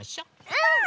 うん！